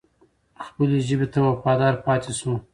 خپلې ژبې ته وفادار پاتې شو.